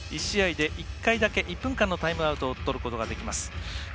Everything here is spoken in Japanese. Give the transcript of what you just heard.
１試合で１回だけ、１分間のタイムアウトをとることができます。